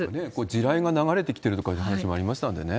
地雷が流れてきてるとかいう話もありましたんでね。